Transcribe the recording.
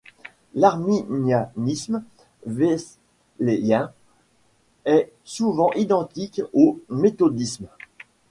L'arminianisme wesleyen est souvent identique au méthodisme.